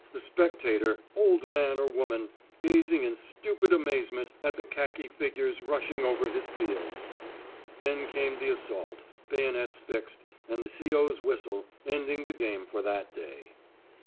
the spectator, old man or woman, gazing in stupid amazement at the khaki figures rushing over his fields. Then came the assault, bayonets fixed, and the C.O.'s whistle, ending the game for that day.